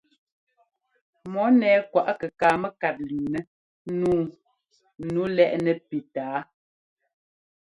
Mɔ nɛ́ɛ kwaꞌ kɛkaa mɛ́kát lʉʉnɛ́ nǔu nu lɛ́ꞌ nɛpí tǎa.